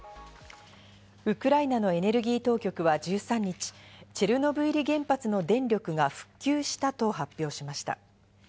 ウクライナのエネルギー当局は１３日、チェルノブイリ原発の電力が復旧したと発表しました。